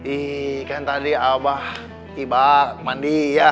ih kan tadi abah tiba mandi ya